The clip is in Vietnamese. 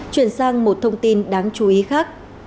chuyển sang một thông tin đáng chú ý khác